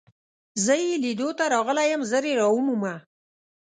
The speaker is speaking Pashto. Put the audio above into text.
زه يې لیدو ته راغلی یم، ژر يې را ومومه.